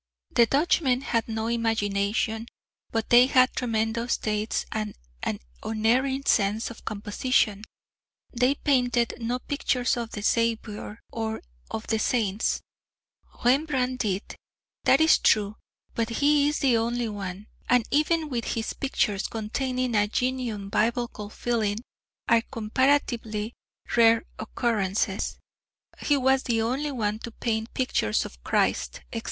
The Dutchmen had no imagination, but they had tremendous taste and an unerring sense of composition; they painted no pictures of the Saviour or of the Saints.... Rembrandt did! That is true; but he is the only one, and even with him pictures containing a genuine Biblical feeling are comparatively rare occurrences;{K} he was the only one to paint pictures of Christ, etc.